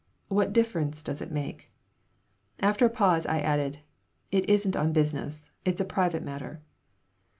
"What difference does it make?" After a pause I added: "It isn't on business. It's a private matter."